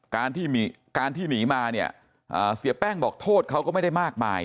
การที่มีการที่หนีมาเนี่ยเสียแป้งบอกโทษเขาก็ไม่ได้มากมาย